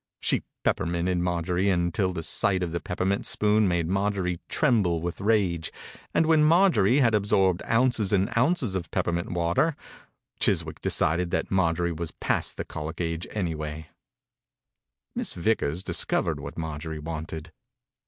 She pepperminted Marjorie until the sight of the peppermint spoon made Mar jorie tremble with rage, and when Marjorie had absorbed ounces and ounces of pepper mint water, Chiswick decided that Marjorie was past the colic age, anyway. 39 THE INCUBATOR BABY Miss Vickers discovered what Marjorie wanted.